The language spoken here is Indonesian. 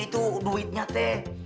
itu duitnya teh